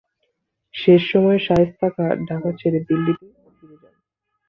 শেষ সময়ে শায়েস্তা খাঁ ঢাকা ছেড়ে দিল্লিতে ফিরে যান।